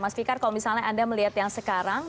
mas fikar kalau misalnya anda melihat yang sekarang